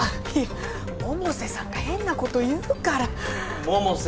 百瀬さんが変なこと言うから百瀬